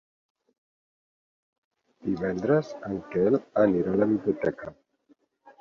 Divendres en Quel anirà a la biblioteca.